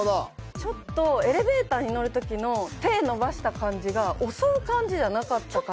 ちょっとエレベーターに乗る時の手伸ばした感じが襲う感じじゃなかったから。